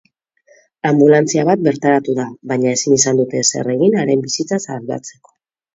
Anbulantzia bat bertaratu da baina ezin izan dute ezer egin haren bizitza salbatzeko.